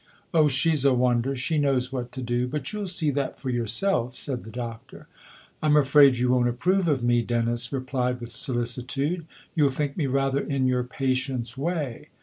" Oh, she's a wonder she knows what to do ! But you'll see that for yourself," said the Doctor. " I'm afraid you won't approve of me," Dennis replied with solicitude. " You'll think me rather in your patient's way."